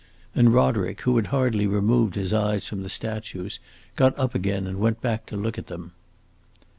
And Roderick, who had hardly removed his eyes from the statues, got up again and went back to look at them.